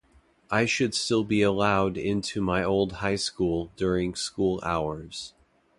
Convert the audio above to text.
I should still be allowed into my old high school during school hours.